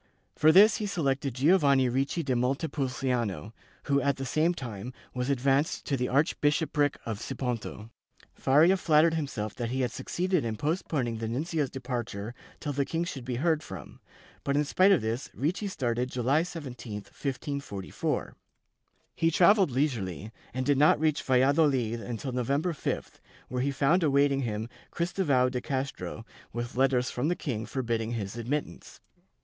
For this he selected Giovanni Ricci da Montepulciano who, at the same time, was advanced to the archbishopric of Siponto. Faria flattered himself that he had succeeded in postponing the nuncio's departure till the king should be heard from, but in spite of this Ricci started July 17, 1544.' He travelled leisurely and did not reach Valladohd until Novem ber 5th, where he found awaiting him Christovao de Castro with letters from the king forbidding his admittance.